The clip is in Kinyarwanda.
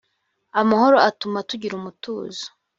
amahoro atuma tugira umutuzo.